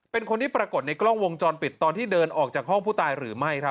เป็นคนที่ปรากฏในกล้องวงจรปิดตอนที่เดินออกจากห้องผู้ตายหรือไม่